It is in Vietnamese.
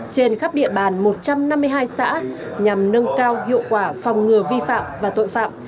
trên khắp địa bàn một trăm năm mươi hai xã nhằm nâng cao hiệu quả phòng ngừa vi phạm và tội phạm